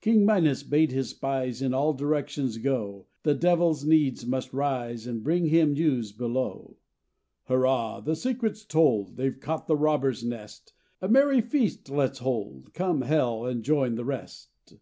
"King Minos bade his spies In all directions go; The devils needs must rise, And bring him news below. "Hurrah! The secret's told They've caught the robber's nest; A merry feast let's hold! Come, hell, and join the rest!